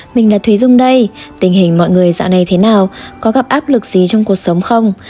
mình là thùy dung đây tình hình mọi người dạng này thế nào có gặp áp lực gì trong cuộc sống không